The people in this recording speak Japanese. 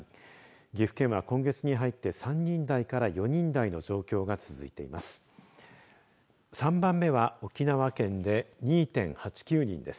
岐阜県では今月に入って３人台から４人台の状況が続いています。